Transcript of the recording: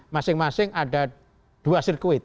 masing masing ada dua sirkuit